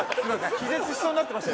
気絶しそうになってました